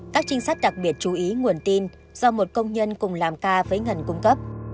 các trinh sát đặc biệt chú ý nguồn tin do một công nhân cùng làm ca với ngân cung cấp